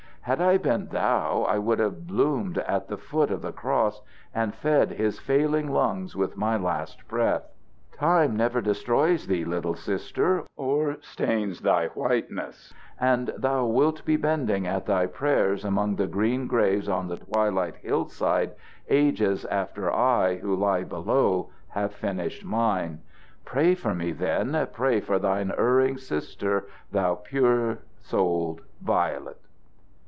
Had I been thou, I would have bloomed at the foot of the cross, and fed his failing lungs with my last breath. Time never destroys thee, little Sister, or stains thy whiteness; and thou wilt be bending at thy prayers among the green graves on the twilight hill side ages after I who lie below have finished mine. Pray for me then, pray for thine erring sister, thou pure souled violet!"